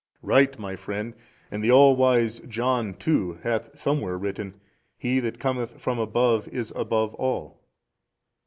|311 A. Right my friend, and the all wise John too hath somewhere written, He that cometh from above is above all.